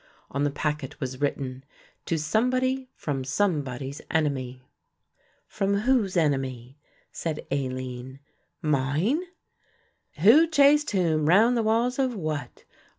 On the packet was written, "To Somebody from Somebody's enemy." "From whose enemy?" said Aline, "Mine?" "'Who chased whom round the walls of what?